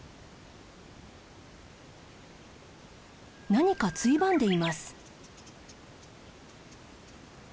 何かついばんでいます。